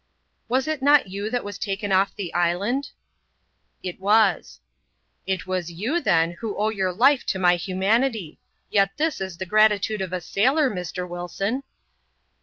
" Was it not you that was taken off the island ?"'• It was." " It is yow, then, who owe your life to my humanily. Yet this is the gratitude of a sailor,* Mr. Wilson